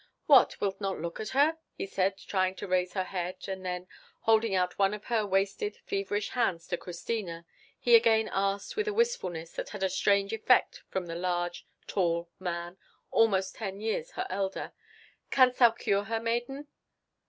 "What, wilt not look at her?" he said, trying to raise her head; and then, holding out one of her wasted, feverish hands to Christina, he again asked, with a wistfulness that had a strange effect from the large, tall man, almost ten years her elder, "Canst thou cure her, maiden?"